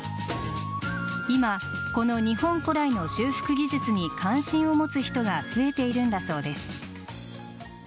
今、この日本古来の修復技術に関心を持つ人が増えているんだそうです。